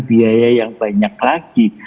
biaya yang banyak lagi